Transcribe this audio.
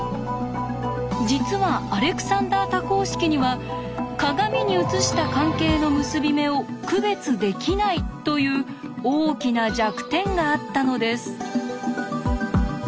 実はアレクサンダー多項式には鏡に映した関係の結び目を区別できないという大きな弱点があったのです。